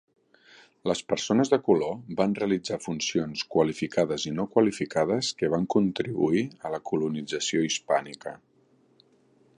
Les persones de color van realitzar funcions qualificades i no qualificades que van contribuir a la colonització hispànica.